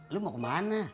lu mau kemana